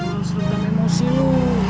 lu seru dan emosi lu ya